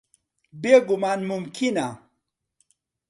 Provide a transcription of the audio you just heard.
بێگومان، مومکینە.